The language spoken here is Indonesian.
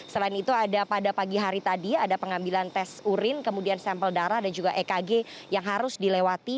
selain itu ada pada pagi hari tadi ada pengambilan tes urin kemudian sampel darah dan juga ekg yang harus dilewati